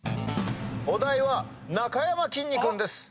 お題はなかやまきんに君です。